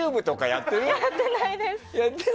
やってないです。